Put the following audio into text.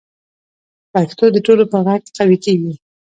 پښتو د ټولو په غږ قوي کېږي.